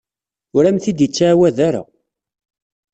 Ur am-t-id-yettɛawad ara.